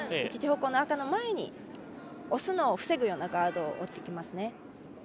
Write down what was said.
１時方向の赤の前に押すのを防ぐようなガードを持ってきますね。